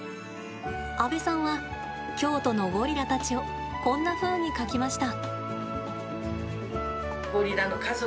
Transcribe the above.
阿部さんは京都のゴリラたちをこんなふうに描きました。